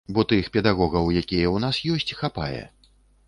Бо тых педагогаў, якія ў нас ёсць, хапае.